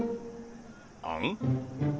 あん？